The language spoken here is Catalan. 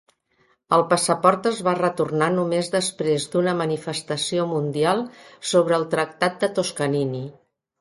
El passaport es va retornar només després d'una manifestació mundial sobre el tractat de Toscanini.